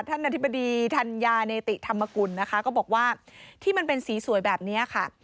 ท่านอธิบดีธัญญาเนติธรรมกุลนะคะก็บอกว่าที่มันเป็นสีสวยแบบนี้ค่ะ